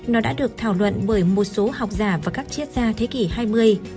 nó đã được thảo luận bởi một số học giả và các chiến gia thế kỷ hai mươi